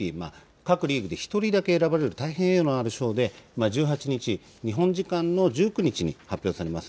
各リーグで１人だけ選ばれる大変栄誉のある賞で、１８日、日本時間の１９日に発表されます。